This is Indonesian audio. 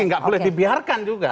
tidak boleh dibiarkan juga